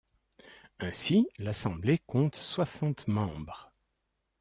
Ainsi, l'Assemblée compte soixante membres.